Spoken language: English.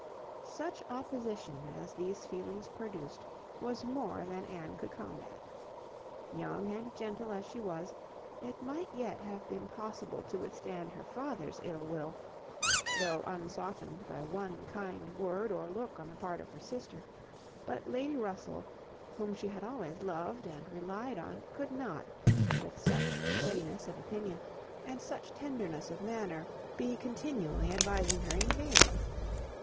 Such opposition, as these feelings produced, was more than Anne could combat. Young and gentle as she was, it might yet have been possible to withstand her father's ill will, though unsoftened by one kind word or look on the part of her sister; but Lady Russell, whom she had always loved and relied on, could not, with such steadiness of opinion, and such tenderness of manner, be continually advising her in vain.